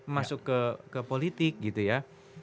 masuk ke politik gitu ya